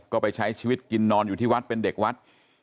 ก็ไปใช้ชีวิตกินนอนอยู่ที่วัดเป็นเด็กวัด